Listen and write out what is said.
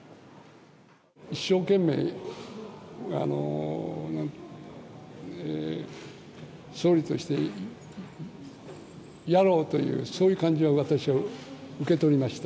一生懸命、総理としてやろうという、そういう感じは、私は受け取りました。